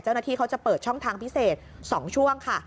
เจ้าหน้าที่เขาจะเปิดช่องทางพิเศษ๒ช่วงค่ะ